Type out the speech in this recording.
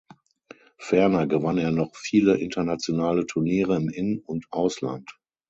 Ferner gewann er noch viele internationale Turniere im In- und Ausland.